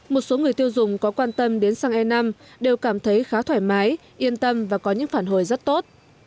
một số người tiêu dùng có quan tâm đến xăng e năm đều cảm thấy khá thoải mái yên tâm và có những phản hồi rất tốt